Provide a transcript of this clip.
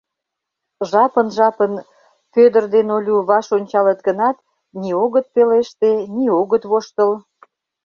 Жапын-жапын Пӧдыр ден Олю ваш ончалыт гынат, ни огыт пелеште, ни огыт воштыл.